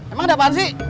emang ada apaan sih